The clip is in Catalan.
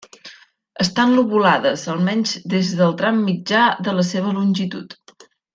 Estan lobulades, almenys, des del tram mitjà de la seva longitud.